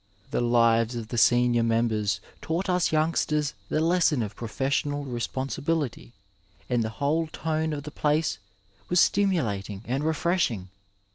The Hyes of the senior members taught us youngsters the lesson of professional responsibility, and the whole tone of the place was stimulating and refreshing.